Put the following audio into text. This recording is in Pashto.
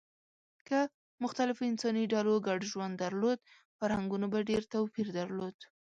که مختلفو انساني ډلو ګډ ژوند درلود، فرهنګونو به ډېر توپیر درلود.